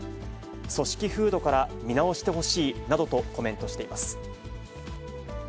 組織風土から見直してほしいなどとコメントしています。